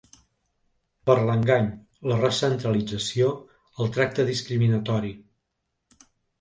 Per l’engany, la recentralització, el tracte discriminatori.